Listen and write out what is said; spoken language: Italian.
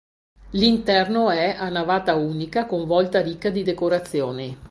L'interno è a navata unica con volta ricca di decorazioni.